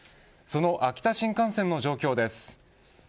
その秋田新幹線の状況です。